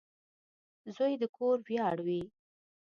• زوی د کور ویاړ وي.